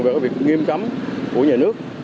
về việc nghiêm cấm của nhà nước